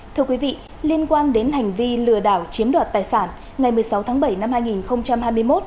thưa quý vị liên quan đến hành vi lừa đảo chiếm đoạt tài sản ngày một mươi sáu tháng bảy năm hai nghìn hai mươi một